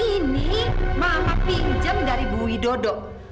ini mama pinjem dari bu widodo